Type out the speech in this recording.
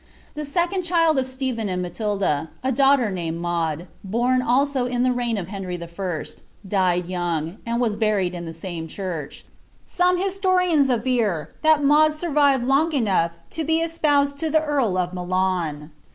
The second child of Stepheu and Matilda, a daughter naniad Maud, )>om also in the reign of Henry I., died young, and was buried in the same church. Some historians aver that Maud survived loa| enough to be espoused lo the earl of Milan.